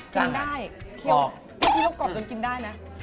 กล้างอ่ะกินได้เคี่ยวไม่ที่รสกรอบจนกินได้นะ